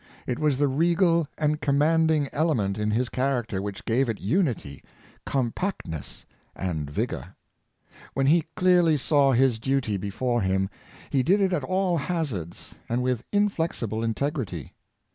It was the regal and commanding element in his char acter which gave it unity, compactness and vigor. When he clearly saw his duty before him, he did it at Washington'' s Sense of Duty, 497 all hazards, and with inflexible integrity.